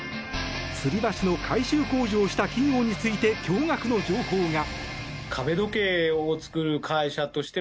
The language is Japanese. つり橋の改修工事をした企業について驚愕の情報が。